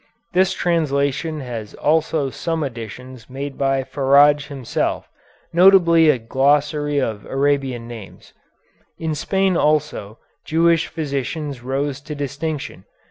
This translation has also some additions made by Faradj himself, notably a glossary of Arabian names. In Spain also Jewish physicians rose to distinction.